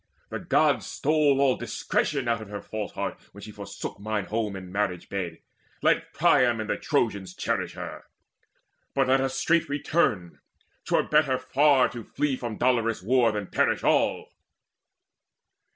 The Gods Stole all discretion out of her false heart When she forsook mine home and marriage bed. Let Priam and the Trojans cherish her! But let us straight return: 'twere better far To flee from dolorous war than perish all."